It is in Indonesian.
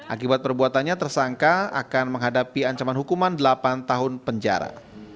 akibat perbuatannya tersangka akan menghadapi ancaman hukuman delapan tahun penjara